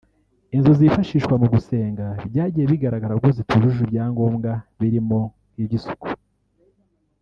Inzu zifashishwa mu gusenga byagiye bigaragara ko zitujuje ibyangombwa birimo nk’iby’isuku